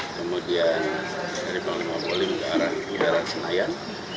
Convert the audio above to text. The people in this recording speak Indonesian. kemudian dari panglima polim ke arah bundaran senayan